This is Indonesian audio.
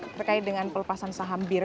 terkait dengan pelepasan saham bir